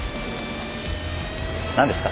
何ですか？